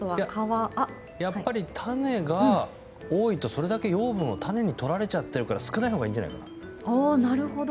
やっぱり種が多いとそれだけ養分を種に取られちゃっているから少ないほうがいいんじゃないかと。